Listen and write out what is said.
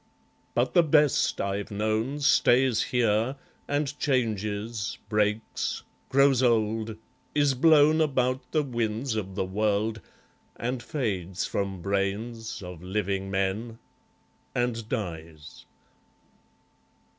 ... But the best I've known, Stays here, and changes, breaks, grows old, is blown About the winds of the world, and fades from brains Of living men, and dies.